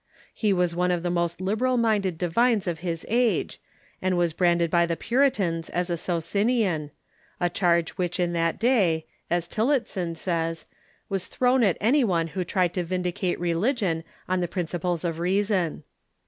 He was one of the most liberal minded divines of his age, and was branded by the Puritans as a Socinian — a charge which in that day, as Tillotson says, was thrown at any one who tried to vindicate religion on the principles of rea son.